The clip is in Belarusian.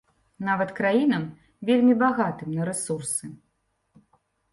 Нават краінам, вельмі багатым на рэсурсы.